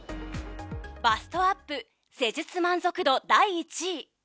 バストアップ施術満足度第１位。